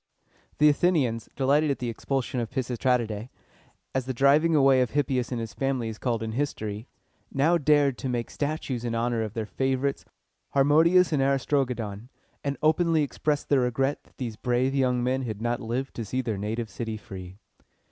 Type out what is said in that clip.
The Athenians, delighted at the expulsion of the Pis is trat´i dæ, as the driving away of Hippias and his family is called in history, now dared to make statues in honor of their favorites Harmodius and Aristogiton, and openly expressed their regret that these brave young men had not lived to see their native city free.